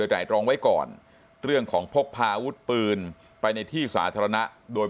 ไหล่ตรองไว้ก่อนเรื่องของพกพาอาวุธปืนไปในที่สาธารณะโดย